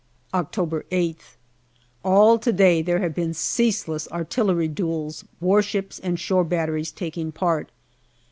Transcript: October Sth. All to day there have been ceaseless artillery duels, warships and shore batteries taking part.